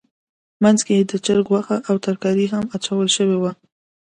منځ کې یې د چرګ غوښه او ترکاري هم اچول شوې وه.